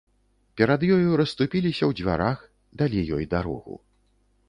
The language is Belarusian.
Перад ёю расступіліся ў дзвярах, далі ёй дарогу.